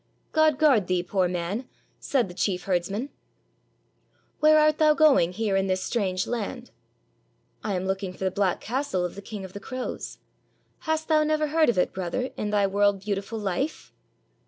"God guard thee, poor man," said the chief herds man; "where art thou going here in this strange land?" "I am looking for the black castle of the King of the Crows. Hast thou never heard of it, brother, in thy world beautiful life?